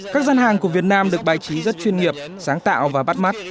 các gian hàng của việt nam được bài trí rất chuyên nghiệp sáng tạo và bắt mắt